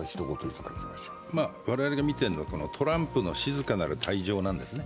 我々が見ているのはトランプの静かなる退場なんですね。